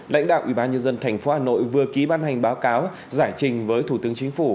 lãnh đạo ủy ban nhân dân tp hà nội vừa ký ban hành báo cáo giải trình với thủ tướng chính phủ